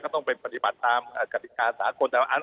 ก็ต้องเป็นปฏิบัติตามกฎิกาสาขน